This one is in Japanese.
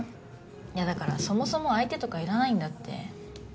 いやだからそもそも相手とかいらないんだって。